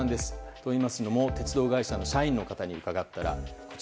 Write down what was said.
と、いいますのも鉄道会社の社員の方に伺いました。